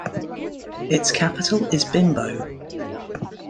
Its capital is Bimbo.